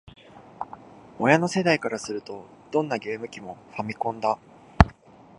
親の世代からすると、どんなゲーム機も「ファミコン」だ